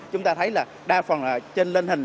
chúng ta thấy là đa phần trên lên hình